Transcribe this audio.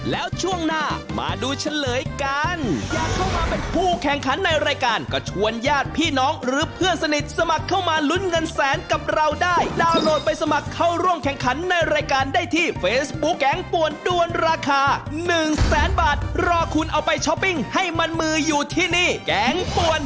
แล้วช่วงหน้ามาดูเฉลยกัน